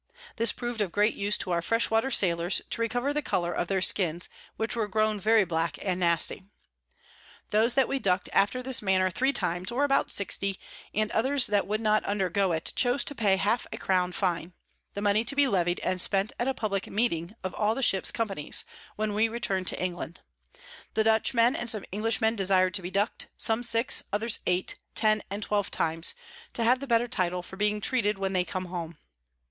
This prov'd of great use to our fresh water Sailors, to recover the Colour of their Skins which were grown very black and nasty. Those that we duck'd after this manner three times, were about 60, and others that would not undergo it, chose to pay Half a Crown Fine; the Money to be levy'd and spent at a publick Meeting of all the Ships Companys, when we return to England. The Dutch Men and some English Men desir'd to be duck'd, some six, others eight, ten, and twelve times, to have the better Title for being treated when they come home.